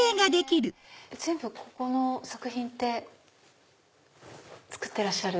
全部ここの作品って作ってらっしゃる？